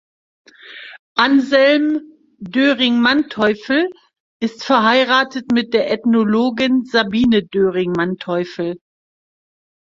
Anselm Doering-Manteuffel ist verheiratet mit der Ethnologin Sabine Doering-Manteuffel.